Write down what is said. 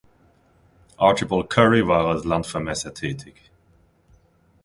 Archibald Currie war als Landvermesser tätig.